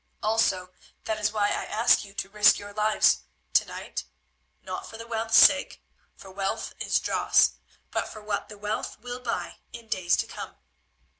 Also that is why I ask you to risk your lives to night; not for the wealth's sake, for wealth is dross, but for what the wealth will buy in days to come."